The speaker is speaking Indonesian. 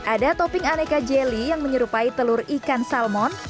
ada topping aneka jelly yang menyerupai telur ikan salmon